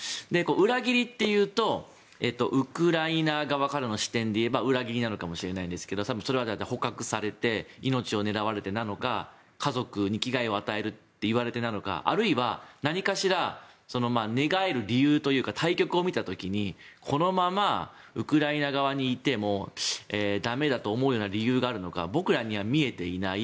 裏切りというとウクライナ側からの視点でいえば裏切りなのかもしれないけど多分、それは捕獲されて命を狙われてなのか家族に危害を与えると言われてなのかあるいは何かしら寝返る理由というか大局を見た時にこのままウクライナ側にいても駄目だと思うような理由があるのか僕らには見えていない